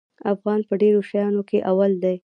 افغانان په ډېرو شیانو کې اول دي.